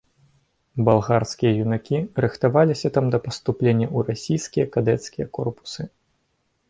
Балгарскія юнакі рыхтаваліся там да паступлення ў расійскія кадэцкія корпусы.